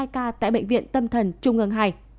một mươi hai ca tại bệnh viện tâm thần trung ương hai